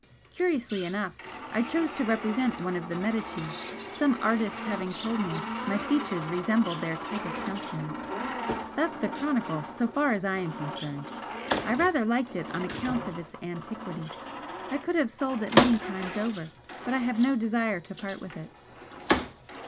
Curiously enough I chose to represent one of the Medicis, some artist having told me my features resembled their type of countenance. That's the chronicle, so far as I am concerned. I rather liked it on account of its antiquity. I could have sold it many times over, but I have no desire to part with it."